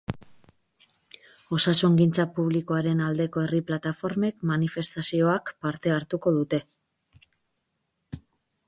Osasungintza Publikoaren Aldeko herri plataformek manifestazioak parte hartuko dute.